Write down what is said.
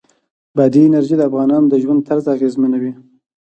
بادي انرژي د افغانانو د ژوند طرز اغېزمنوي.